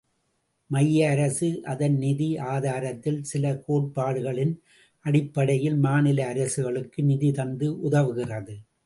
மைய அரசு, அதன் நிதி ஆதாரத்தில் சில கோட்பாடுகளின் அடிப்படையில் மாநில அரசுகளுக்கு நிதி தந்து உதவுகிறது.